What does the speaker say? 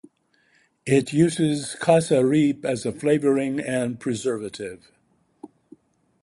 It uses Cassareep as a flavouring and preservative.